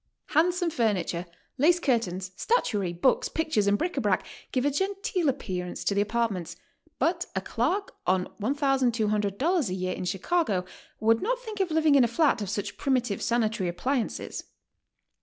Handsome furniture, lace curtains, statuary, books, pictures and bric a brac give a gen teel appearance to the apartments, but a clerk on $1200 a year in Chicago would not think of living in a flat of such primi tive sanitary appliances.